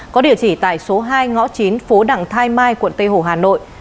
có địa chỉ tại số hai ngõ chín phố đằng thai mai quận tây hồ hà nội